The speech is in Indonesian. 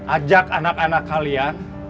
ajak anak anak kalian